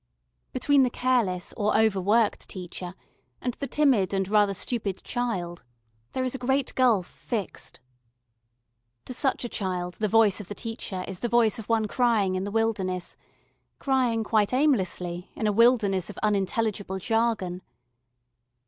Between the careless or overworked teacher and the timid and rather stupid child there is a great gulf fixed. To such a child the voice of the teacher is the voice of one crying in the wilderness, crying quite aimlessly, in a wilderness of unintelligible jargon.